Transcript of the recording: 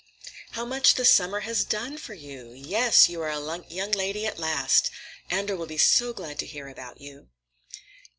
"How much the summer has done for you! Yes, you are a young lady at last. Andor will be so glad to hear about you."